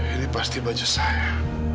ini pasti baju saya